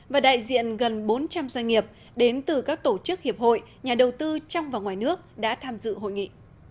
và đại diện gần bốn trăm linh doanh nghiệp đến từ các tổ chức hiệp hội nhà đầu tư trong và ngoài nước đã tham dự hội nghị